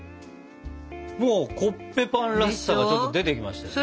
もうコッペパンらしさがちょっと出てきましたね。